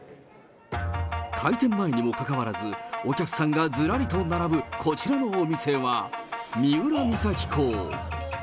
開店前にもかかわらず、お客さんがずらりと並ぶこちらのお店は、三浦三崎港。